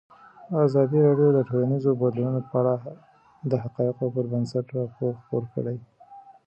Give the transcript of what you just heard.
ازادي راډیو د ټولنیز بدلون په اړه د حقایقو پر بنسټ راپور خپور کړی.